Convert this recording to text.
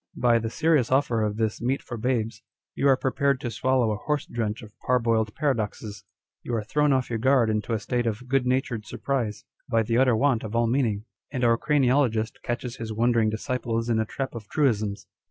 By the serious offer of this meat for babes, you arc prepared to swallow a horse drench of parboiled paradoxes. You are thrown off your guard into a state of good natured surprise, by the utter want of all meaning ; and our craniologist catches his wondering disciples in a trap of truisms.